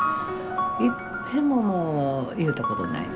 いっぺんももう言うたことないです。